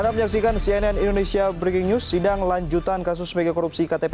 arab menyaksikan cnn indonesia breaking news sidang lanjutan kasus mega korupsi ktp